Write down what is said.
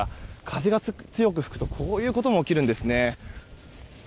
風が強く吹くとこういうことも起きるんですね。